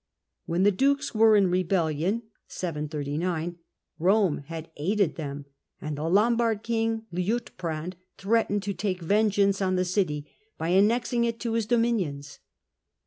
When the dukes were in rebellion (739), Rome had aided them, and the Lombard king Liutprand threatened to take vengeance on the city by annexing it to his dominions.